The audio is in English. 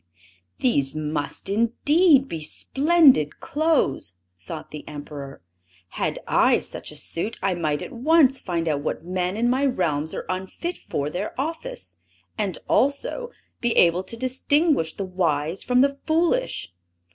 "These must, indeed, be splendid clothes!" thought the Emperor. "Had I such a suit, I might at once find out what men in my realms are unfit for their office, and also be able to distinguish the wise from the foolish!